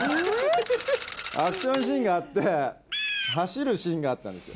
アクションシーンがあって走るシーンがあったんですよ。